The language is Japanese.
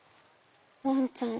ワンちゃん？